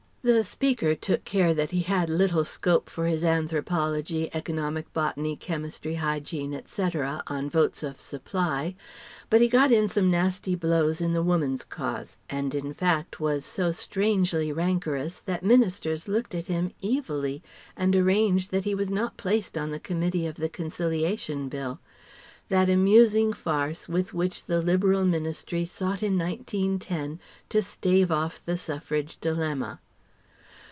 The Speaker took care that he had little scope for his Anthropology, Economic Botany, Chemistry, Hygiene, etc., on Votes of Supply: but he got in some nasty blows in the Woman's cause, and in fact was so strangely rancorous that Ministers looked at him evilly and arranged that he was not placed on the committee of the Conciliation Bill; that amusing farce with which the Liberal Ministry sought in 1910 to stave off the Suffrage dilemma.